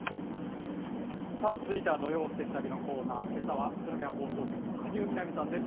続いては土曜すてき旅のコーナー、けさは宇都宮放送局の羽生みな美さんです。